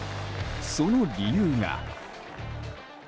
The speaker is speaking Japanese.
その理由が。